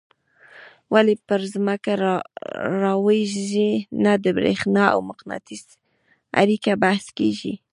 ولي پر ځمکه رالویږي نه د برېښنا او مقناطیس اړیکه بحث کیږي.